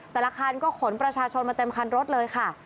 แต่ละคันก็ขนประชาชนมาเต็มคันรถเลยค่ะ